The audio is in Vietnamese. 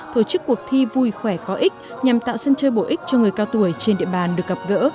thổ chức cuộc thi vui khỏe có ích nhằm tạo sân chơi bổ ích cho người cao tuổi trên địa bàn được gặp gỡ